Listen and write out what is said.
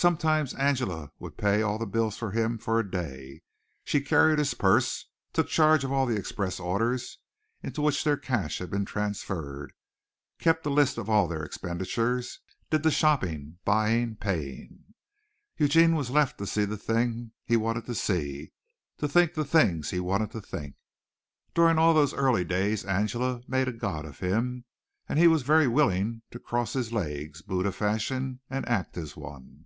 Sometimes Angela would pay all the bills for him for a day. She carried his purse, took charge of all the express orders into which their cash had been transferred, kept a list of all their expenditures, did the shopping, buying, paying. Eugene was left to see the thing that he wanted to see, to think the things that he wanted to think. During all those early days Angela made a god of him and he was very willing to cross his legs, Buddha fashion, and act as one.